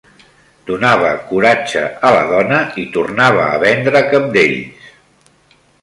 Donava coratge a la dona i tornava a vendre cabdells.